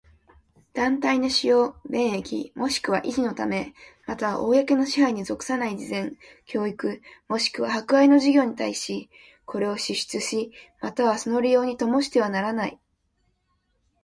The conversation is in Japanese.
第八十九条公金その他の公の財産は、宗教上の組織若しくは団体の使用、便益若しくは維持のため、又は公の支配に属しない慈善、教育若しくは博愛の事業に対し、これを支出し、又はその利用に供してはならない。